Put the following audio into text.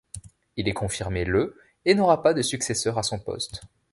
Il est confirmé le et n'aura pas de successeur à son poste.